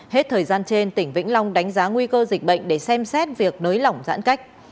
hết thời gian trên tỉnh vĩnh long đánh giá nguy cơ dịch bệnh để xem xét việc nới lỏng giãn cách